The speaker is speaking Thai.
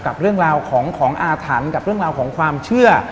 กับเรื่องราวของอาถรรพ์กับเรื่องราวของความเชื่อ